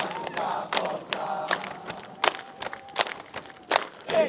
ini langkah mil